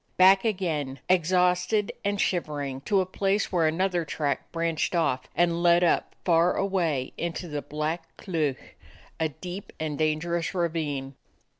Back again, exhausted and shivering, to a place where another track branched off and led up far away into the Black Cleuch, a deep and dangerous ravine.